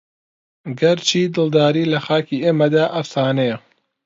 گەر چی دڵداری لە خاکی ئێمەدا ئەفسانەیە